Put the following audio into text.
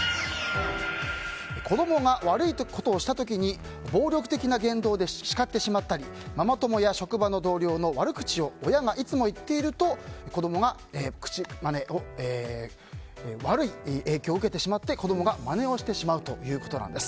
子供が悪いことをした時に暴力的な言動で叱ってしまったりママ友や同僚の悪口を親がいつも言っていると悪い影響を受けてしまって子供がまねをしてしまうということなんです。